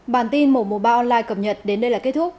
bản tin mổ mùa ba online cập nhật đến đây là kết thúc